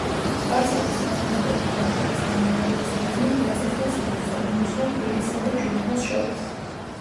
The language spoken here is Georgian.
სპარსეთის სატრანსპორტო ვაჭრობის განვითარების მიზნით დაწესდა საფოსტო მიმოსვლა თბილისსა და ჯულფას შორის.